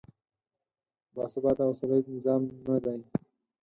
باثباته او سولیز نظام نه دی.